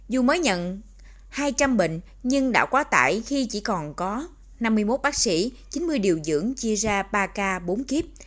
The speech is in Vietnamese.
dù mới nhận hai trăm linh bệnh nhưng đã quá tải khi chỉ còn có năm mươi một bác sĩ chín mươi điều dưỡng chia ra ba k bốn kíp